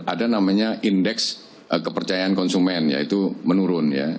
ada namanya indeks kepercayaan konsumen yaitu menurun ya